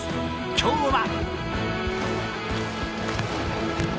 今日は。